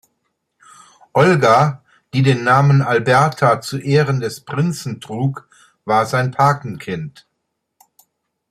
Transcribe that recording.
Olga, die den Namen Alberta zu Ehren des Prinzen trug, war sein Patenkind.